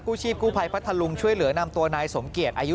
ผู้ชีพกู้พัยพระทะลุงช่วยเหลือนำตัวนายสมเกียรติ